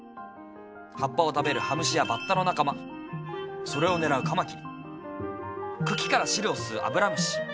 葉っぱを食べるハムシやバッタの仲間それを狙うカマキリ茎から汁を吸うアブラムシ